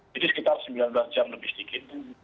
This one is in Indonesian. jadi sekitar sembilan belas jam lebih sedikit